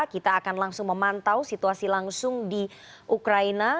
kita akan langsung memantau situasi langsung di ukraina